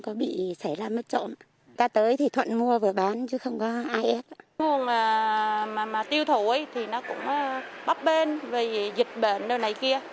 với cái tiêu thủ nó cũng bóc bên về dịch bệnh này kia